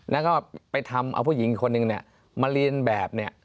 แล้วก็ไปทำเอาผู้หญิงอีกคนนึงเนี่ยมาเรียนแบบเนี่ย